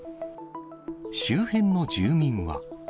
周辺の住民は。